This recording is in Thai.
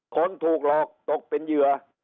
คนถูกหลอกตกเป็นเหยื่อ